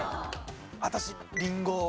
私リンゴ。